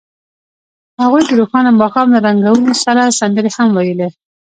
هغوی د روښانه ماښام له رنګونو سره سندرې هم ویلې.